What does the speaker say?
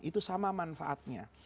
itu sama manfaatnya